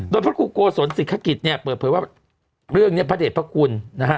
โดยพระครูโกสนสิทธิ์ฆาตกิจเนี่ยเปิดเผยว่าเรื่องเนี่ยพระเดชน์พระกุลนะฮะ